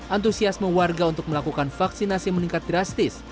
antusiasme warga untuk melakukan vaksinasi meningkat drastis